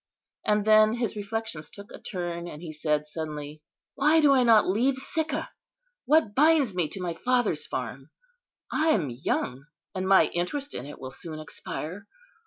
And then his reflections took a turn, and he said, suddenly, "Why do I not leave Sicca? What binds me to my father's farm? I am young, and my interest in it will soon expire.